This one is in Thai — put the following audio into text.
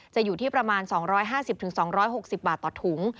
อยู่ที่ประมาณ๒๕๐๒๖๐บาทต่อถุง